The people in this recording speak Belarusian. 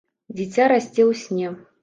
Дзіця расце ў сне.